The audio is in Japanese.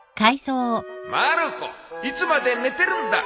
まる子いつまで寝てるんだ